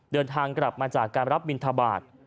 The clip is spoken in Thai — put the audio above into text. เดินทางกลับมาจากการรับบินทบาท